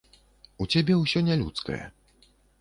У цябе ўсё нялюдскае.